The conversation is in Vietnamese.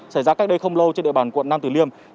xảy ra cách đây không lâu trên địa bàn quận nam tử liêm